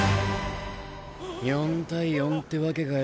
４対４ってわけかよ。